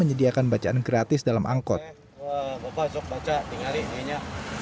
ini buku bukunya juga bagus bagus judul judulnya